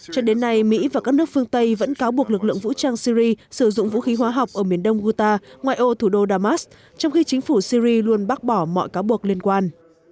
cho đến nay mỹ và các nước phương tây vẫn cáo buộc lực lượng vũ trang syri sử dụng vũ khí hóa học ở miền đông guta ngoài ô thủ đô damas trong khi chính phủ syri luôn bác bỏ mọi cáo buộc liên quan